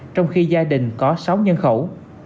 trong khi gia đình có sáu nhân khẩu